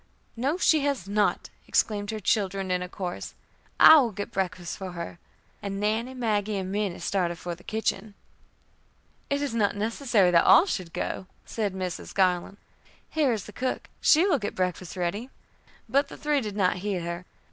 "No, she has not," exclaimed her children in a chorus. "I will get her breakfast for her," and Nannie, Maggie, and Minnie started for the kitchen. "It is not necessary that all should go," said Mrs. Garland. "Here is the cook, she will get breakfast ready." But the three did not heed her.